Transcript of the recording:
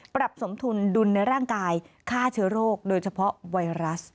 สมทุนดุลในร่างกายฆ่าเชื้อโรคโดยเฉพาะไวรัส